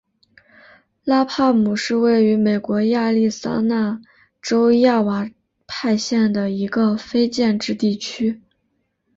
拉帕姆是位于美国亚利桑那州亚瓦派县的一个非建制地区。